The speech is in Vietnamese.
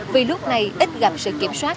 vì lúc này ít gặp sự kiểm soát